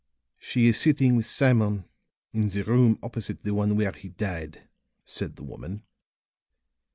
"She is sitting with Simon in the room opposite the one where he died," said the woman.